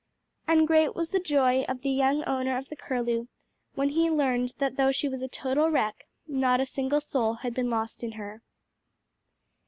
And great was the joy of the young owner of the Curlew when he learned that though she was a total wreck, not a single soul had been lost in her.